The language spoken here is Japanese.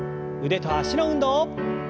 腕と脚の運動。